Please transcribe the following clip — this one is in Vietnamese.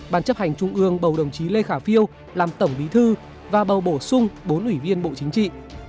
bàn chấp hành trung ương bầu đồng chí lê khả phiêu làm tổng bí thư và bầu bổ sung bốn ủy viên bộ chính trị